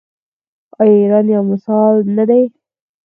آیا ایران یو مثال نه دی؟